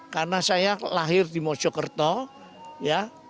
karena saya lahir di mojokerto ya